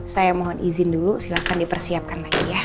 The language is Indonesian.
saya mohon izin dulu silahkan dipersiapkan lagi ya